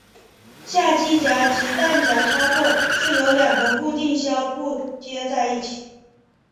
下机匣及弹匣插座是由两个固定销固接在一起。